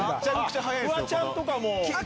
あっフワちゃんとかも。